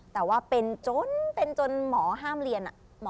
แต่ว่าเป็นจนเป็นจนหมอห้ามเรียน